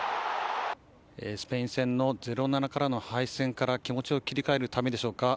スペイン戦の０−７の敗戦から気持ちを切り替えるためでしょうか。